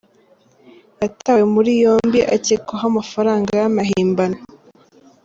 Yatawe muri yombi akekwaho amafaranga y’amahimbano